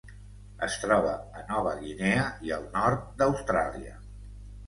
Es troba a Nova Guinea i el nord d'Austràlia.